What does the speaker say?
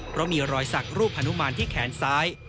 เพราะมีรอยสักรูปฮนุมานที่แขนซ้าย